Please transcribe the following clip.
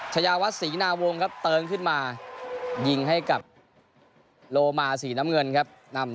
ชายาวัดศรีนาวงครับเติมขึ้นมายิงให้กับโลมาสีน้ำเงินครับ